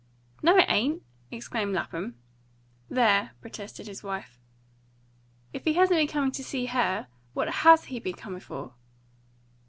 "No, it ain't!" exclaimed Lapham. "There!" protested his wife. "If he hasn't been coming to see her, what HAS he been coming for?"